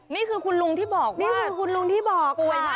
นี่คือคุณลุงที่บอกว่าป่วยมากเดินไม่ได้นี่คือคุณลุงที่บอกว่า